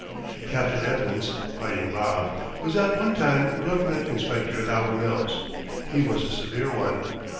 Captain Evans ("Fighting Bob") was at one time government inspector at our mills. He was a severe one.